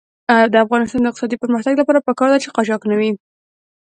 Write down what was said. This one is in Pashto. د افغانستان د اقتصادي پرمختګ لپاره پکار ده چې قاچاق نه وي.